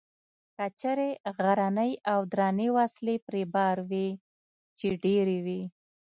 کچرې غرنۍ او درنې وسلې پرې بار وې، چې ډېرې وې.